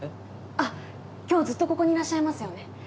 あっ今日ずっとここにいらっしゃいますよね？